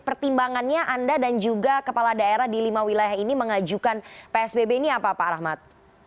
pertimbangannya anda dan juga kepala daerah di lima wilayah ini mengajukan psbb ini apa pak rahmat